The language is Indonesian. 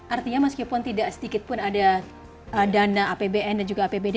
artinya meskipun tidak sedikit pun ada dana apbn dan juga apbd